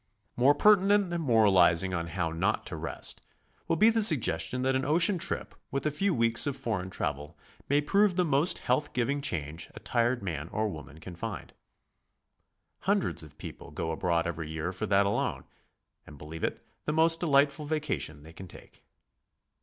More pertinent than moralizing on how not to rest, will be the suggestion that an ocean trip with 'a few weeks of foreign travel may prove the most health giving change a tired man or woman can find. Hundreds of people go abroad every year for that alone, and believe it the most delightful vacation they can take.